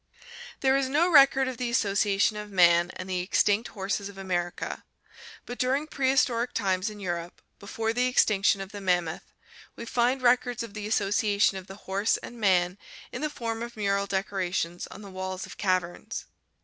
There is no record of the association of man and the extinct horses of America, but during prehistoric times in Europe, before the extinction of the mammoth, we find records of the association of the horse and man in the form of mural decorations on the walls of caverns.